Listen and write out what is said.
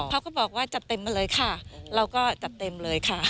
เขาก็บอกว่าจัดเต็มมาเลยค่ะเราก็จัดเต็มเลยค่ะ